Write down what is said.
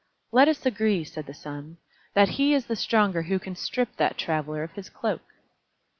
"Let us agree," said the Sun, "that he is the stronger who can strip that Traveler of his cloak."